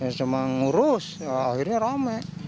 ya cuma ngurus akhirnya rame